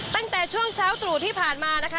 ตั้งแต่ช่วงเช้าตรู่ที่ผ่านมานะคะ